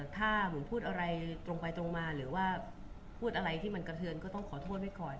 ถ้าบุ๋มพูดอะไรตรงไปตรงมาหรือว่าพูดอะไรที่มันกระเทือนก็ต้องขอโทษไว้ก่อน